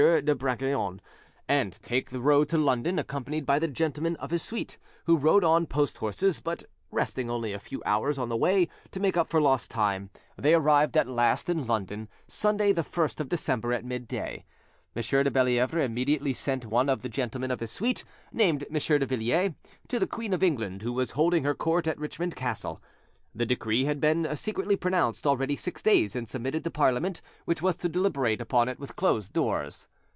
de Brancaleon, and take the road to London, accompanied by the gentlemen of his suite, who rode on post horses; but resting only a few hours on the way to make up for lost time, they at last arrived in London, Sunday the 1st of December at midday. M. de Bellievre immediately sent one of the gentlemen of his suite, named M. de Villiers, to the Queen of England, who was holding her court at Richmond Castle: the decree had been secretly pronounced already six days, and submitted to Parliament, which was to deliberate upon it with closed doors.